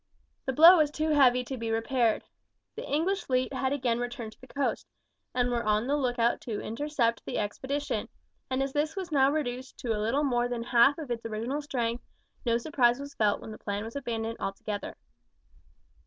The blow was too heavy to be repaired. The English fleet had again returned to the coast, and were on the lookout to intercept the expedition, and as this was now reduced to a little more than half of its original strength no surprise was felt when the plan was abandoned altogether.